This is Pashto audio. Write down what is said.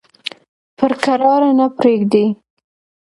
پر کراره نه پرېږدي.